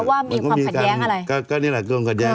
ว่ามีความขัดแย้งอะไร